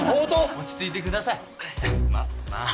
落ち着いてくださいまあ